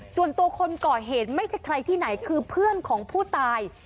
ส่วนตัวคนก่อเหตุไม่ใช่ใครที่ไหนคือเพื่อนของผู้ตาย